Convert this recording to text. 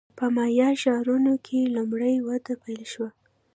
په مایا ښارونو کې لومړنۍ وده پیل شوه